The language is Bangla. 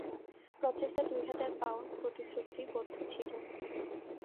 প্রচেষ্টা দুই হাজার পাউন্ড প্রতিশ্রুতিবদ্ধ ছিল।